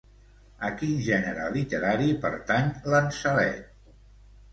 A quin gènere literari pertany Lanzelet?